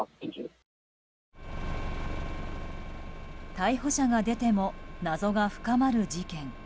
逮捕者が出ても謎が深まる事件。